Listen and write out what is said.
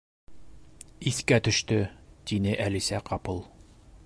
— Иҫкә төштө, — тине Әлисә ҡапыл.